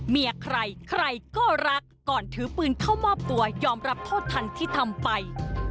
เมียใครใครก็รักก่อนถือปืนเข้ามอบตัวยอมรับโทษทันที่ทำไป